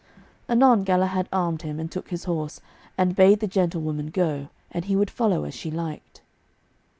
Anon Galahad armed him, and took his horse, and bade the gentlewoman go, and he would follow as she liked.